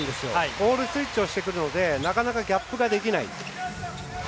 ボール、スイッチしてくるのでなかなかギャップができない。